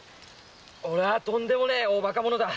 俺はとんでもねえ大バカ者だ！